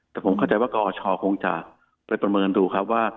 แต่ผมเข้าใจว่ากอชคงจะไปประเมินดูครับว่า